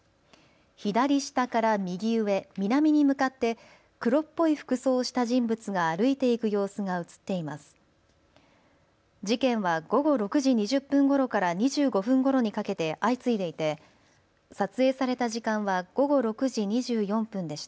左下から右上、南に向かって黒っぽい服装をした人物が歩いていく様子が写っています。